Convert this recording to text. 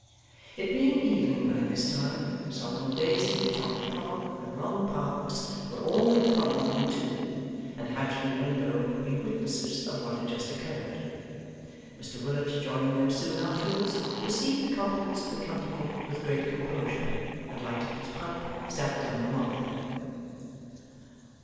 It being evening by this time, Solomon Daisy, Tom Cobb, and Long Parkes, were all in the common room too, and had from the window been witnesses of what had just occurred. Mr Willet joining them soon afterwards, received the compliments of the company with great composure, and lighting his pipe, sat down among them.